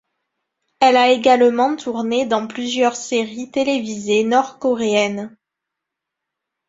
Elle a également tourné dans plusieurs séries télévisées nord-coréennes.